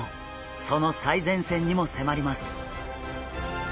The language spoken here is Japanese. その最前線にもせまります！